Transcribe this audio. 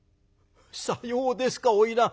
「さようですか花魁。